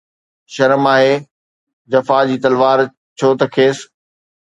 شرم آهي جفا جي تلوار، چؤ ته کيس